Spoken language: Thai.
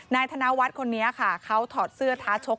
ธนวัฒน์คนนี้ค่ะเขาถอดเสื้อท้าชก